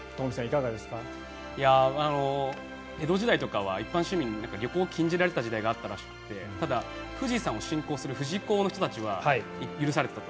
江戸時代とかは一般市民に旅行が禁じられていた時代があったらしくてただ、富士山を信仰する富士講の人たちは許されていたと。